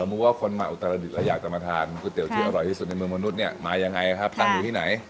มุติว่าคนมาอุตรดิษฐ์แล้วอยากจะมาทานก๋วยเตี๋ยวที่อร่อยที่สุดในเมืองมนุษย์เนี่ยมายังไงครับตั้งอยู่ที่ไหน